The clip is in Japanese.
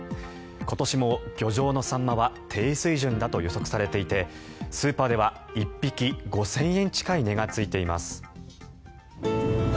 今年も漁場のサンマは低水準だと予測されていてスーパーでは１匹５０００円近い値がついています。